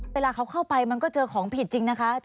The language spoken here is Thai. เวลาเขาเข้าไปมันก็เจอของผิดจริงนะคะ